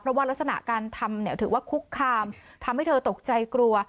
เพราะว่ารักษณะการทำเนี่ยถือว่าคุกคามทำให้เธอตกใจกลัว